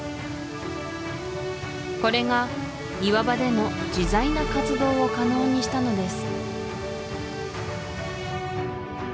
これが岩場での自在な活動を可能にしたのです